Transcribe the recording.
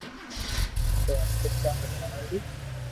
پوءِ آخرڪار، ٻي ٻارڙي؛